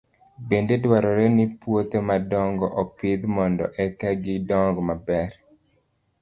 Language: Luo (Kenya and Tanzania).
Bende dwarore ni puothe madongo opidh mondo eka gidong maber.